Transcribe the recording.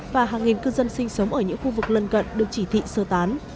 và hàng nghìn cư dân sinh sống ở những khu vực lần gận được chỉ thị sơ tán